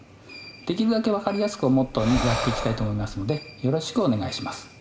できるだけ分かりやすくをモットーにやっていきたいと思いますのでよろしくお願いします。